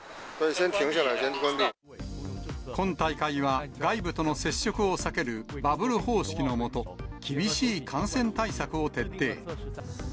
今大会は外部との接触を避けるバブル方式の下、厳しい感染対策を徹底。